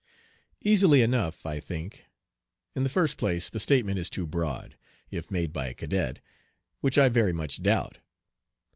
'" Easily enough, I think. In the first place the statement is too broad, if made by a cadet, which I very much doubt.